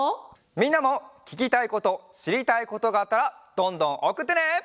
みんなもききたいことしりたいことがあったらどんどんおくってね！